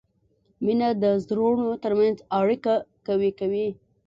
مینه د زړونو ترمنځ اړیکه قوي کوي.